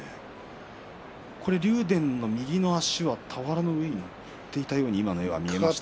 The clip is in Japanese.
これは竜電の右の足は俵の上に乗っていたように見えました。